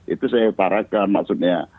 itu saya parahkan maksudnya